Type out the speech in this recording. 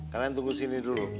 kalian tunggu sini dulu